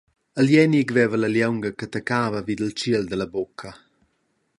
Il Jenik veva la lieunga che taccava vid il tschiel dalla bucca.